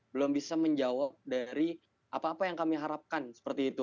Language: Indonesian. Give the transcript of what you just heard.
belum bisa menjawab dari apa apa yang kami harapkan seperti itu